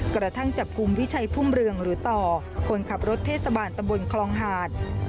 กระทั่งจับกลุ่มวิชัยพุ่มเรืองหรือต่อคนขับรถเทศบาลตำบลคลองหาด